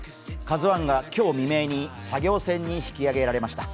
「ＫＡＺＵⅠ」が今日未明に作業船に引き揚げられました。